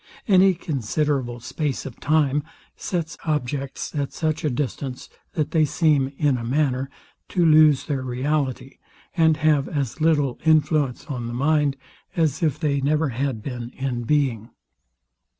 Any considerable space of time sets objects at such a distance, that they seem, in a manner, to lose their reality, and have as little influence on the mind, as if they never had been in being.